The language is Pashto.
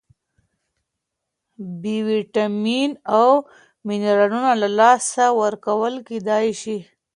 بی ویټامین او منرالونه له لاسه ورکول کېدای شي.